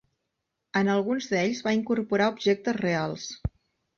En alguns d'ells va incorporar objectes reals.